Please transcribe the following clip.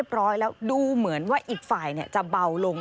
ร้อยแล้วดูเหมือนว่าอีกฝ่ายจะเบาลง